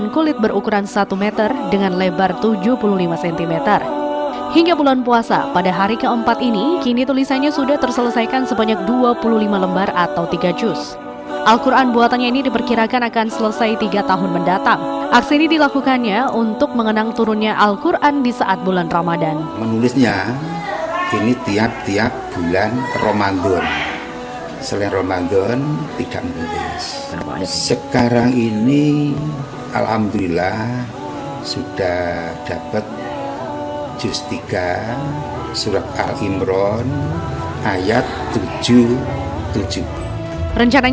kiai haji ali shamsudin yusuf hussein